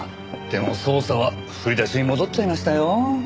でも捜査は振り出しに戻っちゃいましたよ。